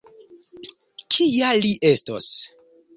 Kia li estos?